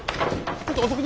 ちょっと遅く。